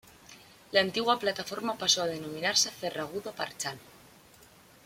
La antigua plataforma pasó a denominarse Ferragudo-Parchal.